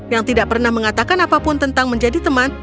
yang tidak pernah mengatakan apapun tentang menjadi teman